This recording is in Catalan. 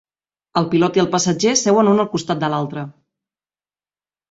El pilot i el passatger seuen un al costat de l'altre.